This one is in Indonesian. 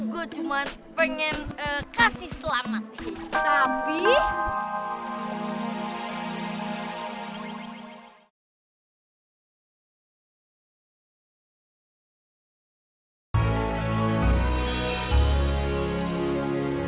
gue cuma pengen kasih selamat